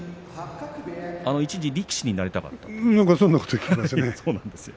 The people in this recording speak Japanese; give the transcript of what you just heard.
一時力士になりたかったそうですよ。